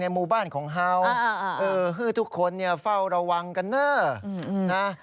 ในหมู่บ้านของเฮาเออทุกคนนี่เฝ้าระวังกันเนอะ